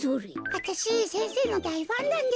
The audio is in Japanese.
あたしせんせいのだいファンなんです。